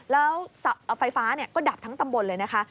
แล้วไฟฟ้าก็ดับทั้งตำบลเลยนะคะ